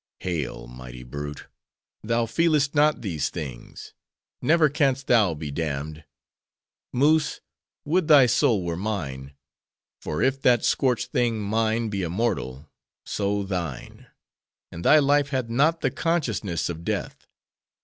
"Hail! mighty brute!—thou feelest not these things: never canst thou be damned. Moose! would thy soul were mine; for if that scorched thing, mine, be immortal—so thine; and thy life hath not the consciousness of death.